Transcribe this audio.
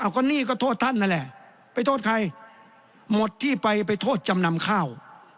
ก็นี่ก็โทษท่านนั่นแหละไปโทษใครหมดที่ไปไปโทษจำนำข้าว